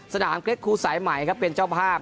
สนามเกร็ดครูสายใหม่ครับเป็นเจ้าภาพ